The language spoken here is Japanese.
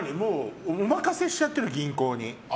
お任せしちゃってる、銀行に。